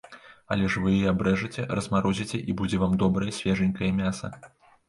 Але ж вы яе абрэжаце, размарозіце і будзе вам добрае свежанькае мяса!